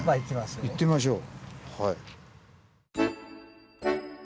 じゃ行ってみましょう。